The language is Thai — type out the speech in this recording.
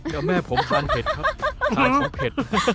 เดี๋ยวแม่ผมทานเผ็ดครับทานของเผ็ด